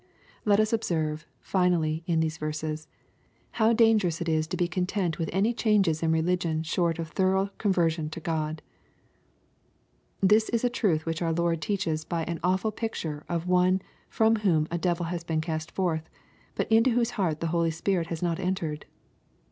Let us observe, finally, in these verses, how dangerou ^ it is to be content unth any change in religion shoH of thor ough conversion to God, This is a truth which our Lord tea(;hes by an awful picture of one from whom a devil has been cast forth, but into whose heart the Holy Spirit has not entered.